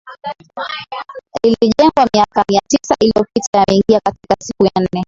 lilijengwa miaka mia tisa iliyopita yameingia katika siku ya nne